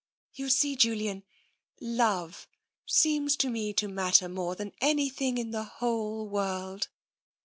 You see, Julian, love seems to me to matter more than anything in the whole world."